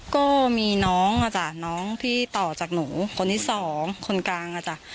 ก็มีน้องอ่ะจ้ะน้องที่ต่อจากหนูคนที่สองคนกลางอ่ะจ้ะ